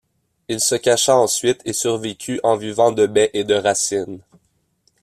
Il se cacha ensuite et survécut en vivant de baies et de racines.